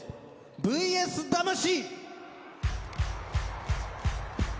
「ＶＳ魂」！